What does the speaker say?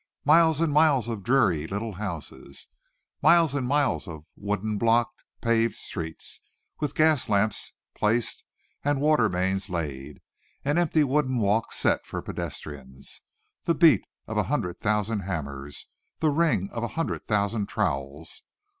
Miles and miles of dreary little houses; miles and miles of wooden block paved streets, with gas lamps placed and water mains laid, and empty wooden walks set for pedestrians; the beat of a hundred thousand hammers; the ring of a hundred thousand trowels!